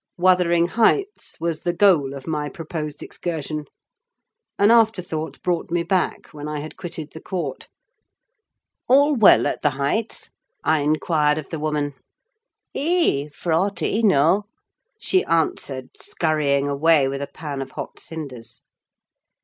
Wuthering Heights was the goal of my proposed excursion. An after thought brought me back, when I had quitted the court. "All well at the Heights?" I inquired of the woman. "Eea, f'r owt ee knaw!" she answered, skurrying away with a pan of hot cinders.